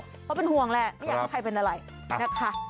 เพราะเป็นห่วงแหละไม่อยากให้ใครเป็นอะไรนะคะ